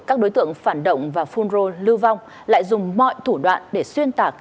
ưu tượng phản động và phun rô lưu vong lại dùng mọi thủ đoạn để xuyên tạc